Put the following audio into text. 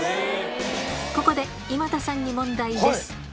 ここで今田さんに問題です。